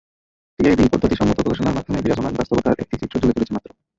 TIB পদ্ধতিসম্মত গবেষণার মাধ্যমে বিরাজমান বাস্তবতার একটি চিত্র তুলে ধরেছে মাত্র।